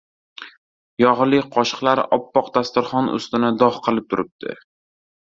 Yog‘li qoshiqlar oppoq dasturxon ustini dog‘ qilib turibdi.